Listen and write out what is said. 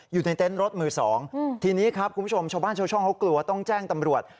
อยู่ในเต็นต์รถมือสองทีนี้ครับคุณผู้ชมชาวบ้านชาวช่องเขากลัวต้องแจ้งตำรวจ